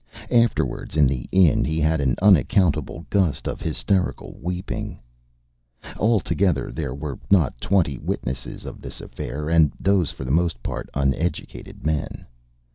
Afterwards in the inn he had an unaccountable gust of hysterical weeping. Altogether there were not twenty witnesses of this affair, and those for the most part uneducated men.